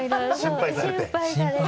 心配されて。